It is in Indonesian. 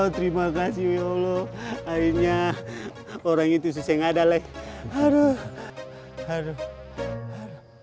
terima kasih ya allah akhirnya orang itu seseng ada leh aduh aduh